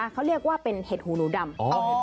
เขาเรียกว่าเป็นเห็ดหูหนูดำ